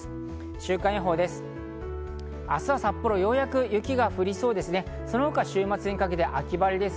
週間予報です。